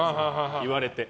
言われて。